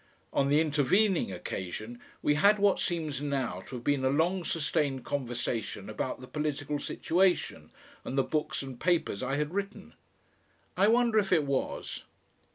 On the intervening occasion we had what seems now to have been a long sustained conversation about the political situation and the books and papers I had written. I wonder if it was.